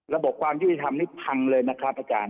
ความยุติธรรมนี่พังเลยนะครับอาจารย์